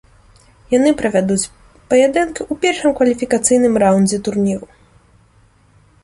Яны правядуць паядынкі ў першым кваліфікацыйным раундзе турніру.